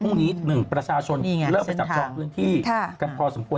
พรุ่งนี้๑ประชาชนเลิกไปจับของพื้นที่กันพอสมควร